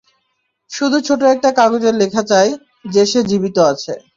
শুধু ছোট একটা কাগজে লেখা চায়, যে সে জীবিত আছে।